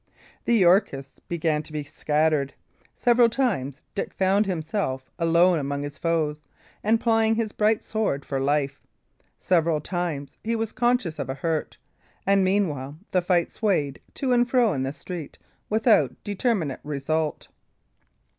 The Yorkists began to be scattered; several times Dick found himself alone among his foes and plying his bright sword for life; several times he was conscious of a hurt. And meanwhile the fight swayed to and fro in the street without determinate result.